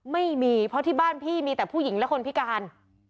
ไม่มีเพราะที่บ้านพี่มีแต่ผู้หญิงและคนพิการ